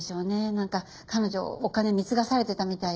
なんか彼女お金貢がされてたみたいで。